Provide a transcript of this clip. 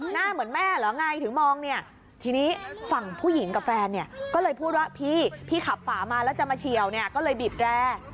หน้าเหมือนแม่เหรอไงถึงมองเนี่ยทีนี้ฝั่งผู้หญิงกับแฟนเนี่ยก็เลยพูดว่าพี่พี่ขับฝามาแล้วจะมาเฉียวเนี่ยก็เลยบีบแร่